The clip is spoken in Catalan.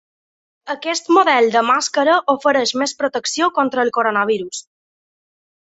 Aquest model de màscara ofereix més protecció contra el coronavirus.